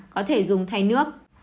có thể dùng thay nước